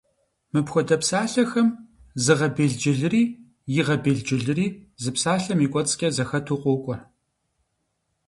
Мыпхуэдэ псалъэхэм зыгъэбелджылыри, игъэбелджылыри зы псалъэм и кӏуэцӏкӏэ зэхэту къокӏуэ.